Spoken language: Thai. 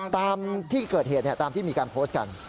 ตามที่เกิดเหตุตามที่มีการโพสต์กัน